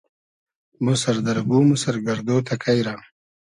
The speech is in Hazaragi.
مۉ سئر دئر گوم و سئر گئردۉ تئکݷ رۂ